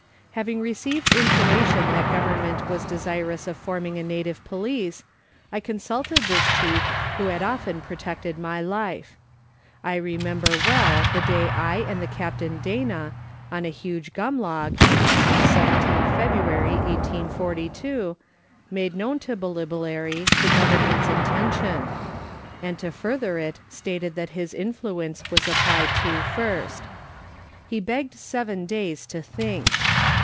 Having received intimation that Government was desirous of forming a native police, I consulted this chief who had often protected my life. I remember well the day I and Captain Dana, on a huge gum log, on the 17th February 1842 made known to Billibellary the Government's intention, and to further it stated that his influence was applied to first. He begged seven days to think.